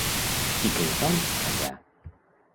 I què hi fan allà?